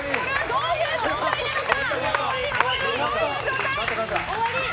どういう状態なのか。